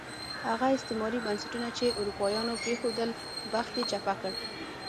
هغه استعماري بنسټونه چې اروپایانو پرېښودل، بخت یې چپه کړ.